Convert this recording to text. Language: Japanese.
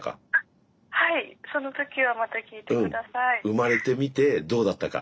生まれてみてどうだったか。